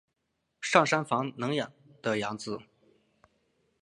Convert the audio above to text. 上杉房能的养子。